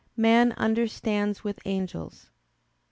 "man understands with the angels."